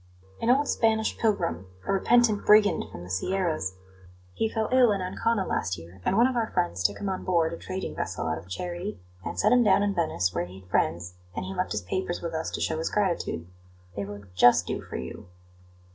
"An old Spanish pilgrim a repentant brigand from the Sierras. He fell ill in Ancona last year, and one of our friends took him on board a trading vessel out of charity, and set him down in Venice, where he had friends, and he left his papers with us to show his gratitude. They will just do for you."